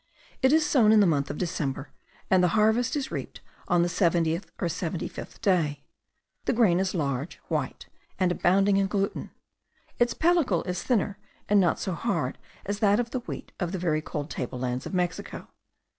It is sown in the month of December, and the harvest is reaped on the seventieth or seventy fifth day. The grain is large, white, and abounding in gluten; its pellicle is thinner and not so hard as that of the wheat of the very cold table lands of Mexico.